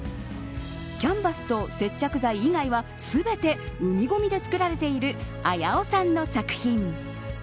キャンバスと接着剤以外は全て海ごみで作られているあやおさんの作品。